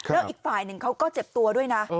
แล้วอีกฝ่ายหนึ่งเขาก็เจ็บตัวด้วยนะ